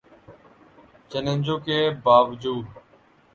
چیلنجوں کے باوجو